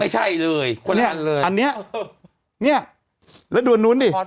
ไม่ใช่เลยคนละอันเลยเนี้ยอันเนี้ยเนี้ยแล้วดูอันนู้นดิพอร์ต